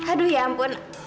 aduh ya ampun